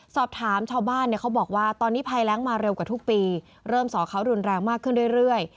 สอบถามชาวบ้านเนี่ยเขาบอกว่าตอนนี้ภัยแรงมาเร็วกว่าทุกปีเริ่มสอเขารุนแรงมากขึ้นเรื่อย